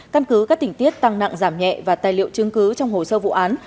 căn cứ các tỉnh tiết tăng nặng giảm nhẹ và tài liệu chứng cứ trong hồ sơ vụ án